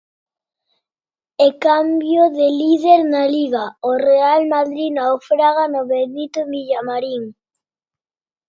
E cambio de líder na Liga, o Real Madrid naufraga no Benito Villamarín.